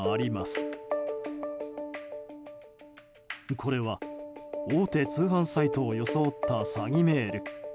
これは大手通販サイトを装った詐欺メール。